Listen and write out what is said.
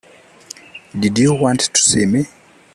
Did you want to see me?